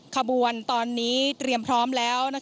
ขบวนตอนนี้เตรียมพร้อมแล้ว